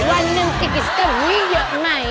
วันนึงกินกินสตอบบอรี่เยอะไหม